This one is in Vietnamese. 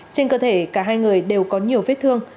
trên cơ thể cả hai người đều có nhiều vết thương